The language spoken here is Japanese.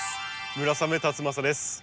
村雨辰剛です。